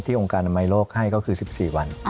ที่องค์การอำนาจโรคให้ก็คือ๑๔วัน